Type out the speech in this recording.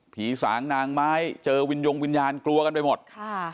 ผีสางนางไม้เจอวินยงวิญญาณกลัวกันไปหมดค่ะ